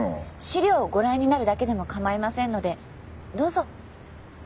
資料をご覧になるだけでもかまいませんのでどうぞ。